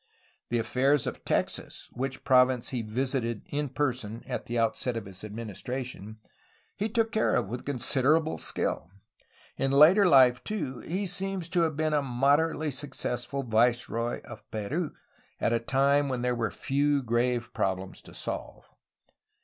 The affairs of Texas, which province he visited in person at the outset of his administration, he took care of with considerable skilL In later Hfe, too, he seems to have been a moderately suc cessful viceroy of Peru — at a time when there were few grave problems to solve.